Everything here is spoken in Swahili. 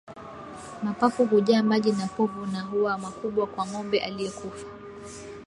Mapafu hujaa maji na povu na huwa makubwa kwa ngombe aliyekufa